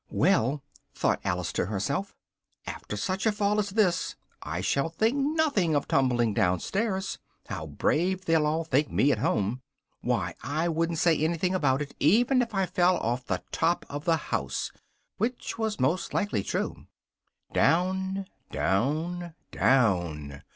"Well!" thought Alice to herself, "after such a fall as this, I shall think nothing of tumbling down stairs! How brave they'll all think me at home! Why, I wouldn't say anything about it, even if I fell off the top of the house!" (which was most likely true.) Down, down, down.